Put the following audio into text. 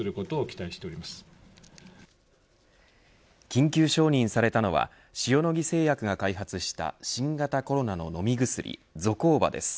緊急承認されたのは塩野義製薬が開発した新型コロナの飲み薬ゾコーバです。